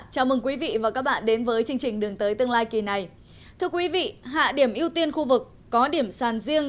cảm ơn các bạn đã theo dõi